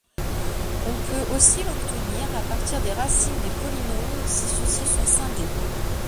On peut aussi l'obtenir à partir des racines des polynômes si ceux-ci sont scindés.